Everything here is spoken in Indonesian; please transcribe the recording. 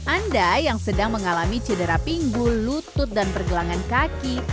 anda yang sedang mengalami cedera pinggul lutut dan pergelangan kaki